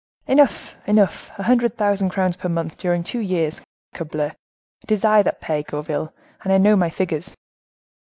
"Enough! enough! A hundred thousand crowns per month, during two years. Corbleu! it is I that pay, Gourville, and I know my figures."